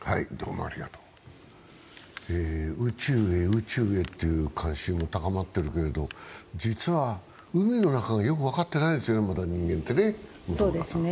宇宙へ宇宙へという関心も高まってるけど、実は海の中はよく分かってないですよね、いまだにね。